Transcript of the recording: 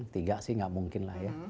tiga sih nggak mungkin lah ya